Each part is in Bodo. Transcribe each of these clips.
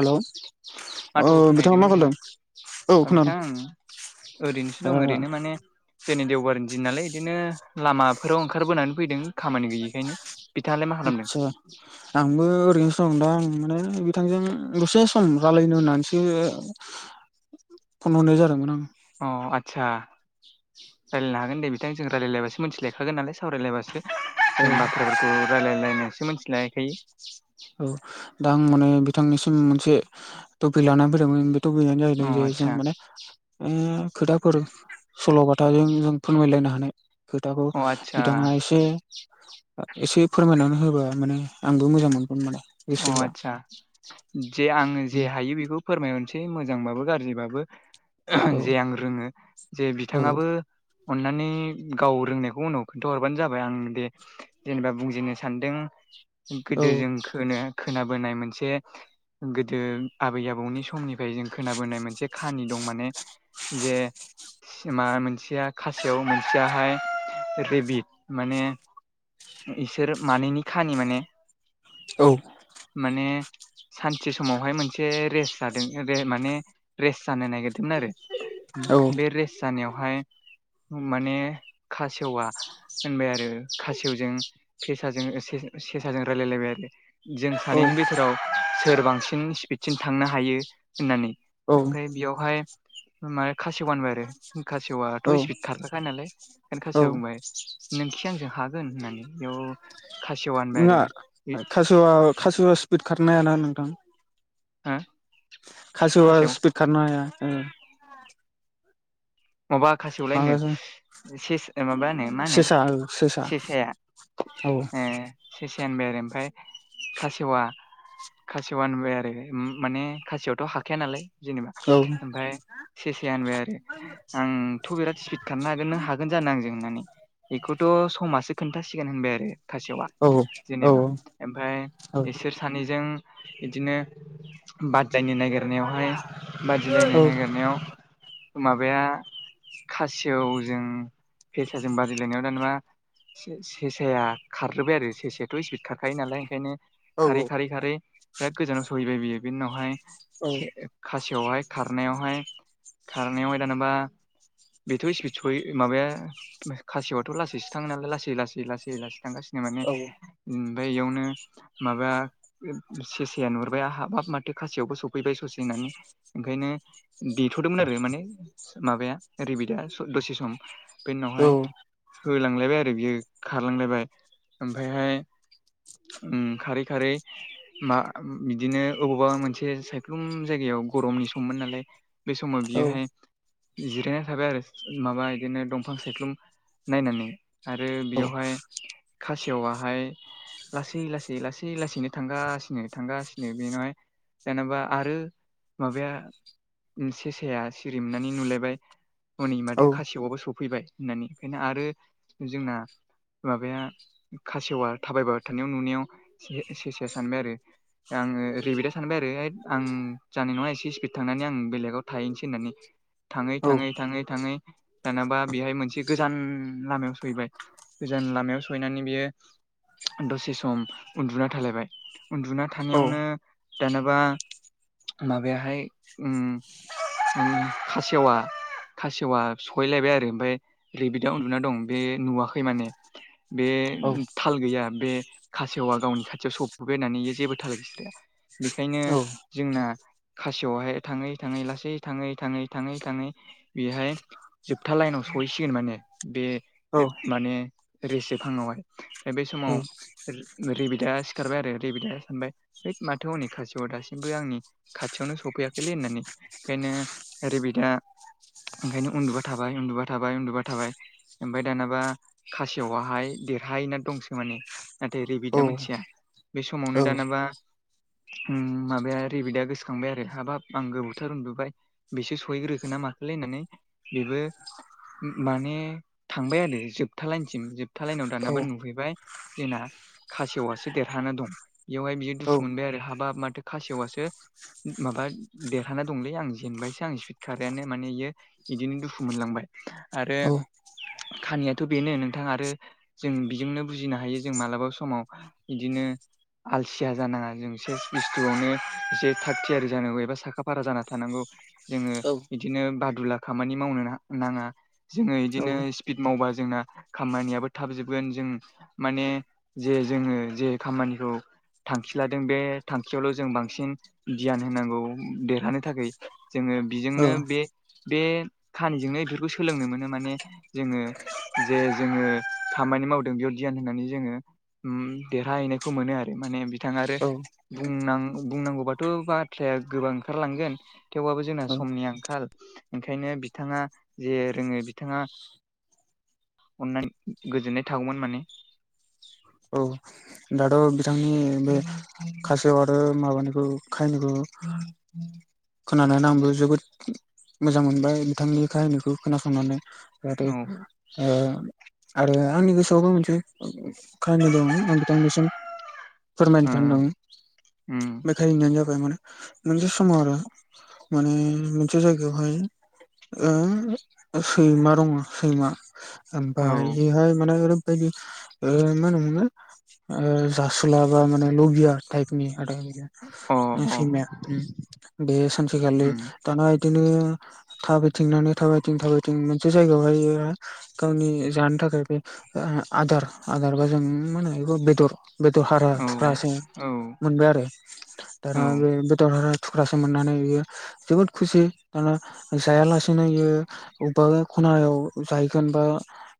हेलौ ओ माथोखौ खोनाहैदोंना बिथाङा मा खालायदों? ओ बिथां ओरैनोसो ओ दं ओरैनो माने दिनै देवबारनि दिन नालाय इदिनो लामाफोराव ओंखारबोनानै फैदों खामानि गैयैखायनो। आतसा। आंबो ओरैनोसो दं नोंथां माने बिथांजों दसे सम रालायनो होननानैसो फन हरनाय जादोंमोन आं। अ आतसा रायलायनो हागोन दे बिथां जों रायलायलायबासो मोनथिलायखागोन नालाय सावरायलायबासो। औ जों बाथ्राफोरखौ रायलायलायनानैसो मोनथिलायखायो। औ दा आं माने बिथांनिसिम मोनसे टपिक लानानै फैदोंमोन। टपिकआनो जाहैदों अ जे जों आदसा माने ओ खोथाफोर सल'बाथ खोथाजों जों फोरमायलायनो हानाय खोथाखौ अ आदसा बिथाङा एसे एसे फोरमायनानै होबा माने आंबो मोजां मोनगोन माने अ गोसोफ्रा आतसा जे आङो जे हायो बेखौ फोरमायहरसै मोजांबाबो गाज्रिबाबो औ जे आं रोङो जे औ बिथाङाबो अननानै गाव रोंनायखौ उनाव खोन्थाहरबानो जाबाय आं दे जेनेबा बुंजिनो सानदों औ गोदो जों खोनाबोनाय मोनसे गोदो आबै आबौनि समनिफ्राय जों खोनाबोनाय मोनसे खाहानि दं माने जे सिमा मोनसेया खासेव मोनसेयाहाय रेबिद माने इसोर मानैनि खानि माने? औ माने सानसे समावहाय मोनसे रेस्ट जादों रे माने रेस्ट जानो नागिरदोंमोन औ आरो। बे रेस्ट जानायावहाय माने खासेवा होनबाय आरो खासेवजों फेसाजों सेसाजों रायलायलायबाय आरो जों सानैनि औ बिथथोराव सोर बांसिन स्पिडसिम थांनो हायो होननानै औ ओमफ्राय बेयावहाय मा खासि गानबाय आरो खासेवआथ' औ स्पिड खारफाख नालाय ओंखनो औ खासेवआव बुंबाय नोंखि आंजों हागोन होननानै बेयाव खासेवा होनबाय आरो नंआ खास'वा खासे'वा स्पिड खारनोहायाना नोंथां हो खासे'वा खासेव स्पिड खारनो हाया ओ माबा खासेयावलायनो माबासो सेस माबानो मा होनो सेसा औ सेसा सेसाया औ ए सेसाया मोनबा आरो खासेवा खासेवा होनबाय आरो माने खासियावथ' हाखाया नालाय जेनेबा औ ओमफाइ सेसाया होनबाय आरो आंथ' बिराद स्पिड खनो हागोन नों हागोन जानो आंजों होननानै बेखौथ' समासो खोन्थासिगोन होनबाय आरो खासेयावआ औ औ जेनेबा ओमफ्राय औ बिसोर सानैजों बिदिनो बादायनो नागिरनायावहाय बादिलायनो नागिरनायाव माबाया खासेवजों फेसाजों बादायलायनायाव दानाबा सेसाया खारलोबाय आरो सेसायाथ' स्पिड खारखायो नालाय ओंखायनो खारै, खारै, खारै, बिराद गोजानाव सहैबाय बियो बेनि उनावहाय खासियावहाय खारनायावहाय खारनायावहाय दानाबा बेथ' स्पिड सहै माबाया खासियावथ' लासैसो थाङो नालाय लासै लासै लासै लासै थांगासिनो माने ओमफ्राय इयावनो माबा सेसेाया नुरबाय हाबहाब माथो खासेयावबो सौफैबाय स'सेहोनानै ओंखायनो देथ'दोंमोन आरो माने माबाया रिबिदा दसे सम बेनि उनावहाय होलांलायबाय आरो बियो खारलांलायबाय ओमफ्रायहाय उम खारै खारै मा बिदिनो अबावबा मोनसे सायख्लुम जायगायाव गरमनि सममोन नालाय बे समाव बियोहाय जिरायना थाबाय आरो माबा बिदिनो दंफां सायख्लुम नायनानै आरो बेयावहाय खासेवाहाय लासै लासै लासै लासैनो थांगासिनो थांगासिनो बेंहाय जेनेबा आरो माबाया सेसाया सिरि मोननानै नुलायबाय हनै माथो खासेवाबो सफैबाय होननानै ओंखायनो आरो जोंना माबाया खासेवा थाबायबा होथानायाव नुनायाव सेसाया सानबाय आरो आङो रिबिटा सानबाय आरो आं जानाय नङा एसे स्पिड थांनानै आं बेलेगाव थाहैनोसै होननानै [unintelligible] थाङै थाङै औ थाङै थाङै दानाबा बेहाय मोनसे गोजान लामायाव सहैबाय गोजान लामायाव सहैनानै बेयो दसे सम उन्दुना थालायबाय उन्दुना औ थानायावनो दानाबा माबाया हाय उम उम खासेवा खासेवा सहैलायबाय आरो ओमफफ्राय रैबिदियाव उन्दुना दं बे नुवाखै माने बे थाल गैया बे खासेवा गावनि खाथियाव सौफबाय होननानै जेबो थाला बिस्राया बेखायनो जोंना खासियावहाय थाङै थाङै लासै थाङै थाङै थाङै थाङै बेहाय जोबथा लाइनाव सहैसिगोन माने बे माने रेसो फांआव हाइ। बे समाव रि-रिबिदा सिखारबाय आरो रिबिदा सानबाय हैद माथो हनै खासेवा दासिमबो आंनि खाथियावनो सौफैयाखैलै होननानै ओंखायनो रेबिदा ओंखायनो उन्दुबाय थाबाय उन्दुबाय थाबाय उन्दुबाय थाबाय ओमफ्राय दानाबा खासेवाहाय देरहाहैना दंसै माने। नाथाय रेबिदा मोनथिया बे समावनो दानाबा उम माबाया रेबिदा गोसोखांबाय आरो हाबाब आं गोबावथार उन्दुबाय बेसो सहैग्रोखो ना माखोलै होननानै बेबो माने थांबाय आरो जोबथा लाइनसिम जोबथा लाइनाव दानाबा नुहैबाय जोंना खासेवासो देरहाना दं बेवहाय बियो दुखु मोनबाय आरो हाबाब माथो खासेवासो माबा देरहाना दंलै आं जेनबायसो आं स्पिड खारनायानो माने इयो इदिनो दुखु मोनलांबाय। आरो खानियाथ' बेनो नोंथां आरो जों बेजोंनो बुजिनो हायो जे जों मालाबा समाव इदिनो आलसिया जानाङा जों सब बुस्थुआवनो एसे थागथियारि जानांगौ एबा साखा फारा जाना थानांगौ। जोङो बिदिनो बादुला खामानि मावनो ना-नाङा। जोङो इदिनो स्पिड मावबा जोंना खामानियाबो थाब जोबगोन जों माने जे जोङो जे खामानिखौ थांखि लादों बे थांखियावल' जों बांसिन धियान होनांगौ देरहानो थाखाय जोङो बेजोंनो बे बे खाहानिजोंनो बेफोरखौ सोलोंनो मोनो माने जोङो जे जोङो खामानि मावदों बेयाव धियान होननानै जोङो उम देरहाहैनायखौ मोनो आरो माने बिथां आरो बुंनां-बुंनांगौबाथ' बाथ्राया गोबां ओंखारलांगोन थेवबाबो जोंना समनि आंखाल ओंखायनो बिथाङा जे रोङो बिथाङा अननाय गोजोननाय थागौमोन माने। औ। दाथ' बिथांनि बे खासेव आरो माबानि खाहिनिखौ [inaudible] खोनानानै आंबो जोबोद मोजां मोनबाय बिथांनि खाहिनिखौ खोनासंनानै। जाथे औ ओ आरो आंनि गोसोआवबो मोनसे खाहानि दङ' बिथांनिसिम ओ फोरमायनो सानदों। उम बे खाहिनियानो जाबाय माने मोनसे समाव आरो माने मोनसे जायगायावहाय ओ सैमा दङ सैमा। ओमफ्राय औ बेहाय माने ओरैबायदि ओ मा होनो मोनलै ओ जासुला बा माने लबिया टाइपनि आरो अ बि सैमाया उम। बे सानसेखालि उम दाना इदिनो थाबायथिंनानै थाबायथिं थाबायथिं मोनसे जायगायावहायो गावनि जानो थाखाय बे आदार आदारबा जों मोनो बे बेदर बेदर हारा औ थुख्रासो औ मोनबाय आरो। औ दाना बे बेदर थुख्रासो मोननानै बियो जोबोद खुसि दाना जायालासेनो इयो बबेबा खनायाव जाहैगोन बा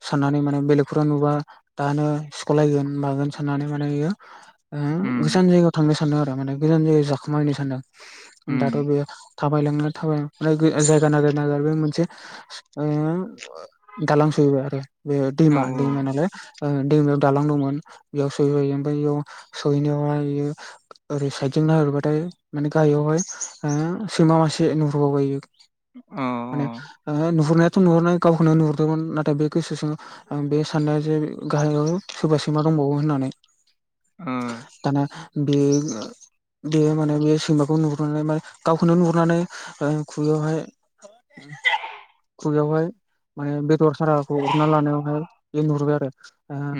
साननानै माने बेलेगफोराव नुबा दानो सिख'लायगोन मागोन साननानै माने इयो ओ गोजान उम जायगायाव थांनो थांदों आरो माने गोजान जायगायाव जाखोमाहैनो सानदों दाथ' उम बे थाबायलांना थाबायलांना जायगा नागिर नागिर बे मोनसे ओ दालां सहैबाय आरो बे औ दैमा दैमा नालाय दैमायाव दालां दंमोन बेयाव सहैबाय इयो ओमफ्राय इयाव सहैनायावहाय इयो ओरै साइदजों नाहरबाथाय माने गाहायावहाय ओ सैमा मासे नुहुरबावबाय इयो अ माने ओ नुहुरनायाथ' नुहुरनाय गावखौनो नुहुरदोंमोन नाथाय बे गोसोजों आं बे साननाया जे गाहाय सोरबा सोर मा दंबावो होननानै अ ओ दाना बे बे माने बे सैमाखौ नुहुरनानै मे गावखौनो नुहुरनानै खुगायावहाय खुगायावहाय माने बेदर हारा खौ हरना लानायावहाय बे नुहुरबाय आरो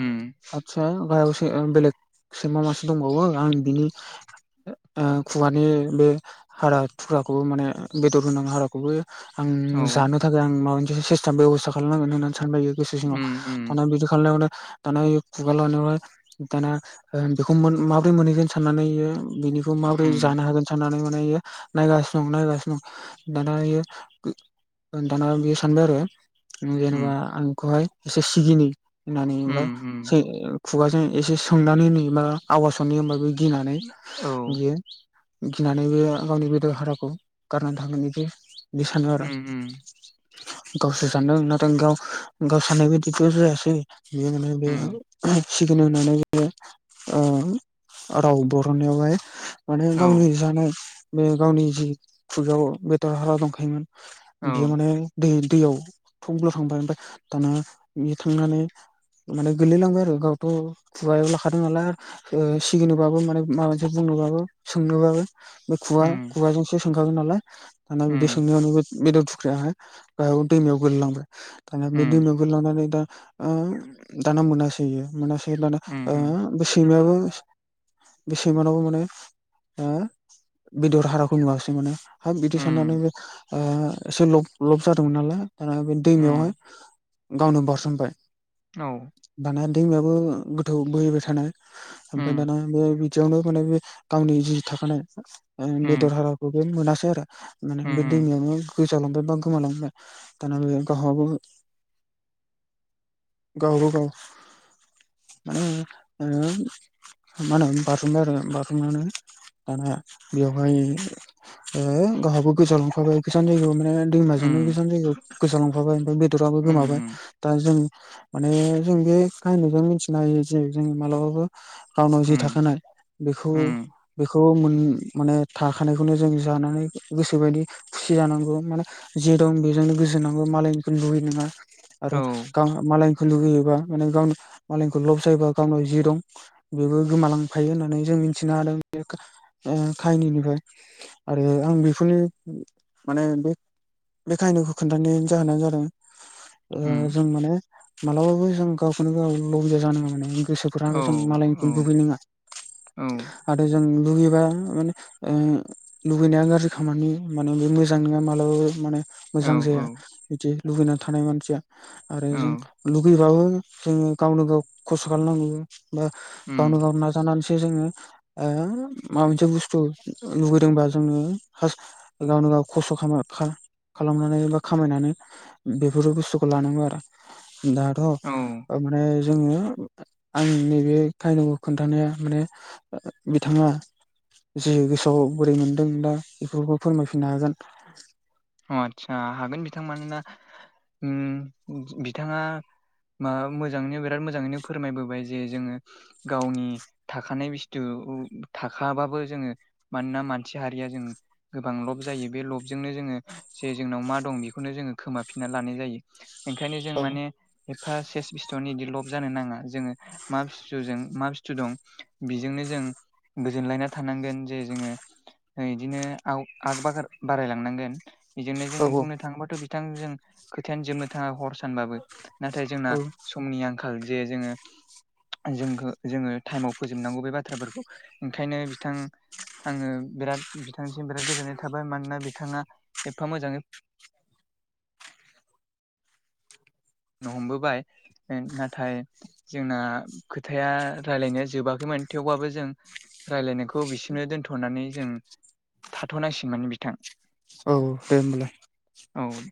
उम आदसा गाहायावसो बेलेग सैमा मासे दंबावो आं बिनि खुगानि बे हारा थुख्राखौ माने बेदर गोनां हाराखौबो आं औ जानो थाखाय आं माबा मोनसे सिस्टेम बेब'स्था खालामनांगोन होननानै सानबाय गोसो सिङाव। उम थान उम बिदि खालामानायखौनो दाना खुगा लानायावहाय दाना बेखौ माब्रै मोनहैगोन साननानैयो बेनि बेखौ माब्रै उम जानो हागोन साननानै माने नायगासिनो दं नायगासिनो दं दानायो दाना बियो सानबाय आरो। उम जेनेबा आं बेखौहाय एसे सिगिनो होननानै उम उम ओमफ्राय खुगाजों एसे सोंनानै नयो मा आवाज हरनि होमबा बे‌ गिनानै औ उम बियो गिनानै बे गावनि बेदर हाराखौ गारनानै थांगोन बिदि बे सानो आरो। उम गावसो सानदों नाथाय गाव गाव साननाय बायदिथ' जायासै बेयो माने बे उम सिगनो होननानै बे राव बर'नायावहाय माने औ गावनि जानाय बे गावनि जि खुगायाव बेदर हारा दंखायोमोन औ बेयो माने दै दैयाव थबल थांबाय ओमफ्राय दाना बे थांनानै माने गोलैलांबाय आरो गावथ' खुगायाव लाखादों नालाय सिगिनोबाबो माने माबा मोनसे बुंनोबाबो सोंनोबाबो बे खुवा उम खुवाजोंसो सोंखागोन नालाय दाना बिदि उम सोंनायावनो बे बेदर थुख्रायाहाय गाहायाव दैमायाव गोलैलांबाय दानि बे उम दैमायाव गोलैलांनानै दा दाना मोनासैयो मोनासै दाना उम सैमायाबो बे सैमानावबो माने ओ बेदर हाराखौ नुवासै माने। हाब बिदि साननानै उम आ बे एसे लब लब जादोंमोन नालाय दाना बे उम दैमायावहाय गावनो बारसोमबाय। औ दाना दैमाबो गोथौ बोहैबाय थानाय ओमफ्राय उम दाना बे बेयावनो माने बे गावनि जि थाखानाय उम बेदर हाराखौबो मोनासै आरो। उम माने बे दैमायावनो गोजालांबाय बा गोमालांबाय दाना बे गावहाबो गावबा गाव माने मा होनो बाज्रुमबाय आरो बाज्रुमनायावनो दाना बेवहाय गावहाबो गोजावलांफाबाय माने उम दैमाजोंनो बेसेबां जायगायाव गोजाव लांफाबाय ओमफ्राय बेदराबो उम गोमाबाय दा जों माने जों बे काहिनिजों मिथिनो हायो जे जों मालाबाबो गावनाव जि उम थाखानाय बिखौ उम बेखौ माने थाखानायखौनो जों जानानै गोसोबायदि खुसि जानांगौ माने जे दं बेजोंनो गोजोनांगौ मालायनिखौ लुगै नाङा आरो औ मालायनिखौ लुुबैयोबा माने गावनि मालायनखौ लब जायोबा गावनाव जि दं बेबो गोमालांफायो होननानै जों मिथिनो हादों बे काहिनिनिफ्राय आरो आं बेफोरनि माने बे बे खाहिनिखौ खोन्थानायनि जाहोना जादों उम जों माने मालाबाबो जों गावखौनो गाव लबिआ जानाङा माने गोसो औ जों मालायनिखौनो लुबै नङा। औ आरो जों लुगैबा माने ओ लुबैनाया गाज्रि खामानि माने बे मोजां नङा मालाबाबो माने। औ मोजां जाया बिदि लुगैना थानाय मानसिया आरो औ जों लुगैबाबो जोङो गावनो गाव खस्थ' खालामनांगौ। बा गावनो उम गाव ना जानानैसो जोङो माबा मोनसे बुस्थु लुुबैदोंबा जोङो गावनो गाव खस्थ' खालाम-खालामनानै बा खामायनानै बेफोर बुस्थुखौ लानांगौ आरो। दाथ' औ माने जोङो आं नैबे काहानिखौ खोन्थानाया माने बिथाङा जे गोसोआव बोरै मोनदों दा बेफोरखौ फोरमायफिननो हागोन। अ आदसा हागोन बिथां मानोना उम बिथाङा मा मोजाङैनो बिराद मोजाङैनो फोरमायबोबाय जे जोङो गावनि थाखानाय बुस्थु थाखाबाबो जोङो मानोना मानसि हारिया जों गोबां लब जायो बे लबजोंनो जोङो जे जोंनाव मा दं बेखौनो जोङो खोमाफिनना लानाय जायो। ओंखायनो जों औ माने एफा सेस बिस्थ'नि बिदि लब जानो नाङा। जोङो मा बुस्थुजों मा बुस्स्थु दं बेजोंनो जों गोजोनलायना थानांगोन जे जोङो बिदिनो आव आग बागार बारायलांनांगोन। बेजोंनो जों औ बुंनो थाङोबाथ' बिथां जों खोथायानो जोबनो थाङा हर सानबाबो। नाथाय औ जोंना समनि आंखाल जे जोङो जोंखो जोङो टाइमाव फोजोबनांगौ बे बाथ्राफोरखौ। ओंखायनो बिथां आङो बिराद बिथांसिम बिराद गोजोननाय थाबाय मानोना बिथाङा एफा मोजाङै नो हमबोबाय नाथाय जोंना खोथाया रायलायनाया जोबाखैमोन थेवबबो जों रायलायनायखौ खौ बिसिनो दोनथ'नानै जों थाथ'नांसिगन माने बिथां। औ। दे होमबालाय। औ।